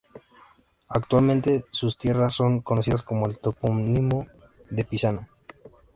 Actualmente sus tierras son conocidas con el topónimo de "Pisana".